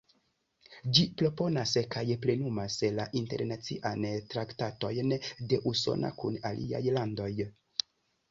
Ĝi proponas kaj plenumas la internacian traktatojn de Usono kun aliaj landoj.